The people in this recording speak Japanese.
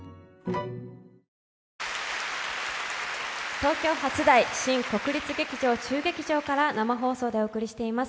東京・初台の新国立劇場中劇場から生放送でお送りしています。